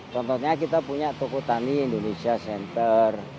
contohnya kita punya toko tani indonesia center